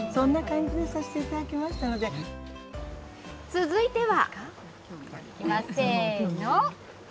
続いては。